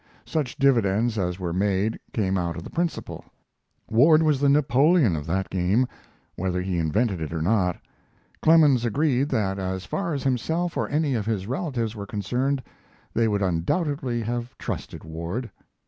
Such dividends as were made came out of the principal. Ward was the Napoleon of that game, whether he invented it or not. Clemens agreed that, as far as himself or any of his relatives were concerned, they would undoubtedly have trusted Ward.